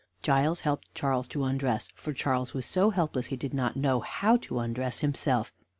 Giles helped Charles to undress, for Charles was so helpless he did not know how to undress himself.